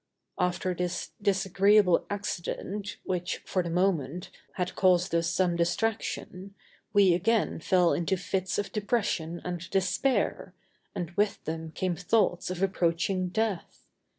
After this disagreeable accident which, for the moment, had caused us some distraction, we again fell into fits of depression and despair, and with them came thoughts of approaching death.